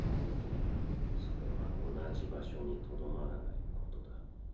それは同じ場所に留まらないことだ。